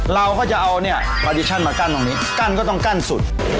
เราก็จะเอาเนี่ยบาดิชั่นมากั้นตรงนี้กั้นก็ต้องกั้นสุด